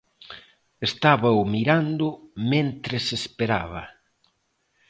–Estábao mirando mentres esperaba.